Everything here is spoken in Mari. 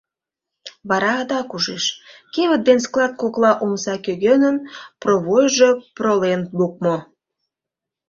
Вара адак ужеш: кевыт ден склад кокла омса кӧгӧнын провойжо пролен лукмо...